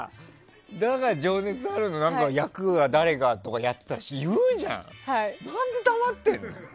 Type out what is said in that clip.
「だが、情熱はある」の役が誰がとか言ってたら普通、言うじゃん！何で黙ってるの？